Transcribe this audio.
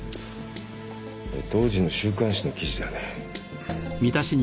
当時の週刊誌の記事だね。